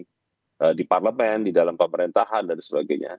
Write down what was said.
karena ini juga berdasarkan relasi di parlemen di dalam pemerintahan dan sebagainya